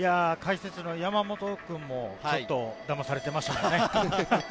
山本君もちょっと、だまされていましたよね。